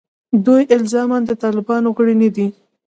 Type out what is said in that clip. دوی الزاماً د طالبانو غړي نه دي.